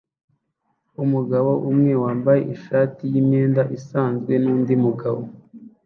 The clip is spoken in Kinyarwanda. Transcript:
Umugabo umwe wambaye ishati yimyenda isanzwe nundi mugabo